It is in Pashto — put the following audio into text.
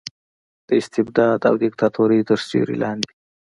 د استبداد او دیکتاتورۍ تر سیورې لاندې